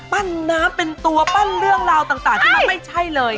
น้ำเป็นตัวปั้นเรื่องราวต่างที่มันไม่ใช่เลย